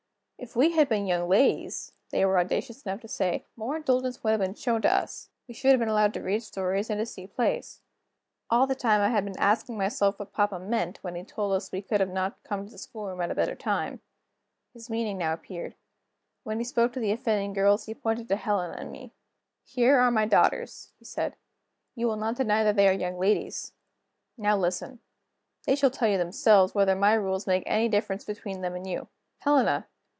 "If we had been young ladies," they were audacious enough to say, "more indulgence would have been shown to us; we should have been allowed to read stories and to see plays." All this time I had been asking myself what papa meant, when he told us we could not have come to the schoolroom at a better time. His meaning now appeared. When he spoke to the offending girls, he pointed to Helena and to me. "Here are my daughters," he said. "You will not deny that they are young ladies. Now listen. They shall tell you themselves whether my rules make any difference between them and you. Helena!